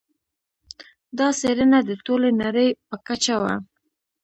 دا څېړنه د ټولې نړۍ په کچه وه.